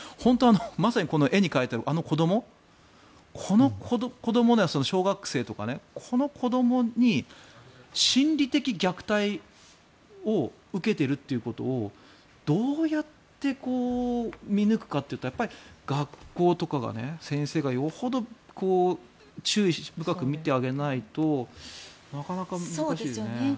まさに絵に描いたあの子ども小学生とか、この子どもに心理的虐待を受けているということをどうやって見抜くかといったらやっぱり学校とかが、先生がよほど注意深く見てあげないとなかなか難しいですね。